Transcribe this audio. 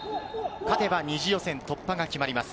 勝てば２次予選突破が決まります。